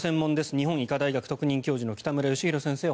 日本医科大学特任教授の北村義浩先生に